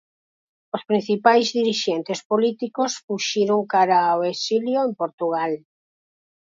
Os principais dirixentes políticos fuxiron cara ao exilio en Portugal.